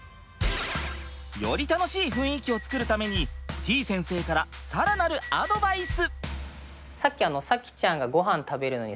より楽しい雰囲気を作るためにてぃ先生から更なるアドバイス！